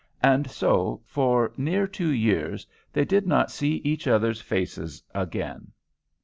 And so, for near two years, they did not see each other's faces again.